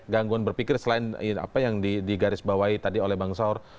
gangguan berpikir selain apa yang digarisbawahi tadi oleh bang saur